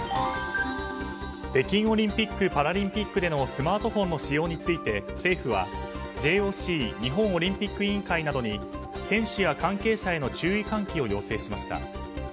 北京オリンピック・パラリンピックでのスマートフォンの使用について政府はＪＯＣ・日本オリンピック委員会などに選手や関係者への注意喚起を要請しました。